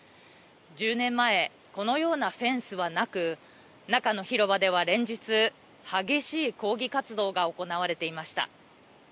１０年前このようなフェンスはなく中の広場では、連日激しい抗議活動が行われていました。